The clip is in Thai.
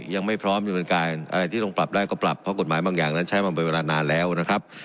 ยังไม่พร้อมดำเนินการอะไรที่ต้องปรับได้ก็ปรับเพราะกฎหมายบางอย่างนั้นใช้มาเป็นเวลานานแล้วนะครับ